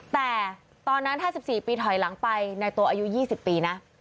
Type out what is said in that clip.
แต่ตอนนั้นถ้า๑๔ปีถอยหลังไปนายตัวอายุ๒๐ปีนะ